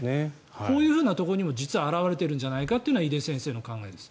こういうところにも実は表れてるんじゃないかというのが井手先生の考えです。